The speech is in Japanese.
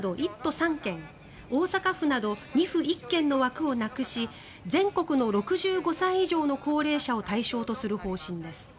３県大阪府など２府１県の枠をなくし全国の６５歳以上の高齢者を対象とする方針です。